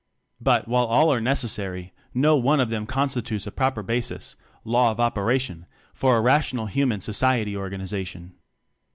But, while all are necessary, no one of them constitutes a proper basis law of operation for a rational human society organization.